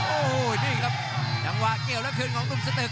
โอ้โหนี่ครับจังหวะเกี่ยวแล้วคืนของหนุ่มสตึก